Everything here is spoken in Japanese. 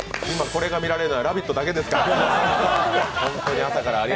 今、これが見られるのは「ラヴィット！」だけですから。